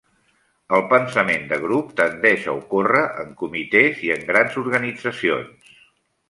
El pensament de grup tendeix a ocórrer en comitès i en grans organitzacions.